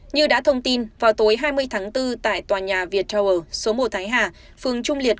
như đã thông tin vào tối hai mươi tháng bốn tại tòa nhà viettel số một thái hà phường trung liệt